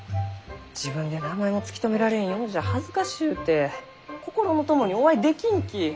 自分で名前も突き止められんようじゃ恥ずかしゅうて心の友にお会いできんき。